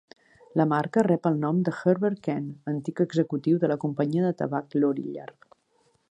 La marca rep el nom de Herbert Kent, antic executiu de la companyia de tabac Lorillard.